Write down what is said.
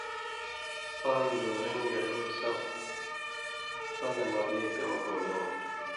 پان٘د دُورَیں، گرمی سخ، پن٘دہۡ مہ وے کمم ہُوۡن٘دوۡ،